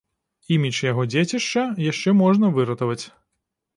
Імідж яго дзецішча яшчэ можна выратаваць.